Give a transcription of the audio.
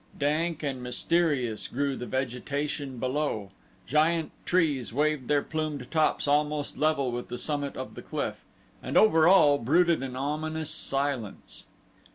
Dank and mysterious grew the vegetation below; giant trees waved their plumed tops almost level with the summit of the cliff; and over all brooded an ominous silence.